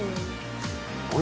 「あれ？